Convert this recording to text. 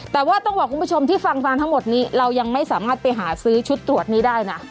แต่ว่าต้องบอกคุณผู้ชมที่ฟังฟังทั้งหมดนี้เรายังไม่สามารถไปหาซื้อชุดตรวจนี้ได้นะ